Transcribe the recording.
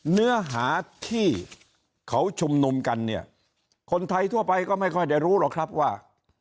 เนื้อหาที่เขาชุมนุมกันเนี่ยคนไทยทั่วไปก็ไม่ค่อยได้รู้หรอกครับว่า